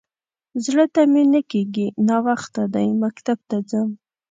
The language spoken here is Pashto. _زړه ته مې نه کېږي. ناوخته دی، مکتب ته ځم.